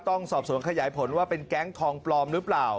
ต้องสอบสวนขยายผลว่าเป็นแก๊งทองปลอมหรือเปล่า